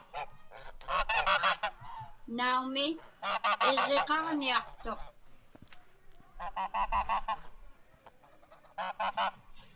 Naumi, iġġiqaġniaqtuq.